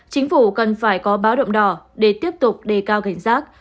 chính phủ cần phải có báo động đỏ để tiếp tục đề cao cảnh giác